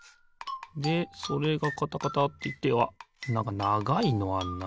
でそれがカタカタっていってあっなんかながいのあんな。